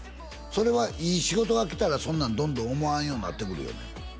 それはいい仕事が来たらそんなんどんどん思わんようになってくるよね